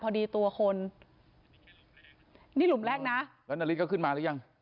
ตัวคนนี่หลุมแรกนะแล้วนาริสก็ขึ้นมาหรือยัง